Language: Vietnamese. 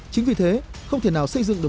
chính vì thế không thể nào xây dựng được